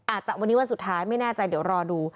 อาจจะวันนี้วันสุดท้ายไม่แน่ใจเดี๋ยวรอดู